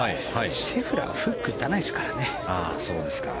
シェフラーフック打たないですからね。